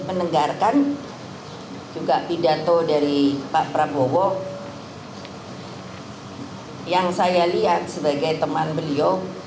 saya ingin menenggarkan juga pidato dari pak prabowo yang saya lihat sebagai teman beliau